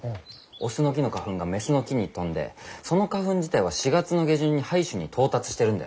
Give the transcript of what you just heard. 雄の木の花粉が雌の木に飛んでその花粉自体は４月の下旬に胚珠に到達してるんだよね。